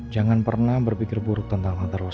jangan pernah berpikir buruk tentang yang terlalu baik